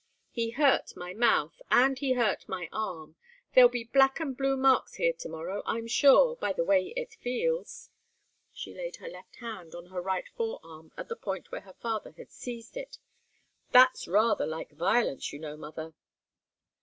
"He hurt my mouth, and he hurt my arm there'll be black and blue marks here to morrow, I'm sure, by the way it feels." She laid her left hand on her right forearm at the point where her father had seized it. "That's rather like violence, you know, mother."